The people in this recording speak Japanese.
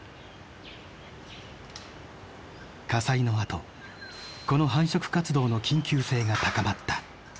火災のあとこの繁殖活動の緊急性が高まった。